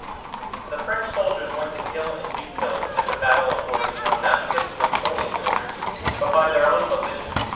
The French soldiers went to kill and be killed at the battle of Borodinó not because of Napoleon's orders but by their own volition.